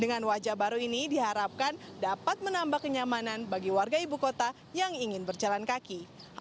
dengan wajah baru ini diharapkan dapat menambah kenyamanan bagi warga ibu kota yang ingin berjalan kaki